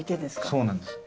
そうなんです。